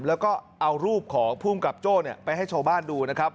แล้วก็เอารูปของภูมิกับโจ้ไปให้ชาวบ้านดูนะครับ